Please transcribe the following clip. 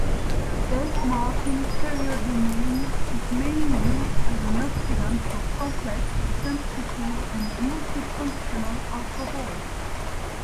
Dess-Martin periodinane is mainly used as an oxidant for complex, sensitive and multifunctional alcohols.